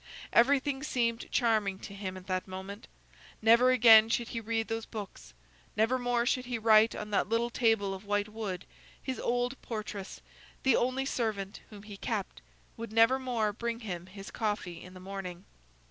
Everything seemed charming to him at that moment. Never again should he read those books; never more should he write on that little table of white wood; his old portress, the only servant whom he kept, would never more bring him his coffee in the morning.